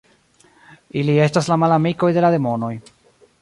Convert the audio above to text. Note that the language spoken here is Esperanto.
Ili estas la malamikoj de la demonoj.